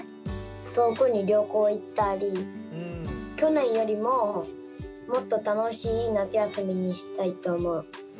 遠くに旅行行ったり、去年よりももっと楽しい夏休みにしたいと思う。